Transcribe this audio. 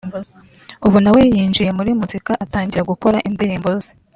ubu nawe yinjiye muri muzika atangira gukora indirimbo ze